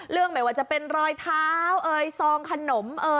เรื่องหมายว่าจะเป็นรอยเท้าซองขนม